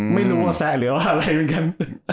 ไม่รู้ว่าแซะหรือว่าอะไรเหมือนกัน